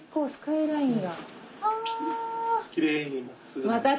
スカイラインがはぁ。